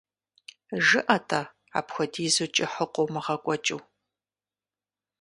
ЖыӀэ-тӀэ, апхуэдизу кӀыхьу къыумыгъэкӀуэкӀыу.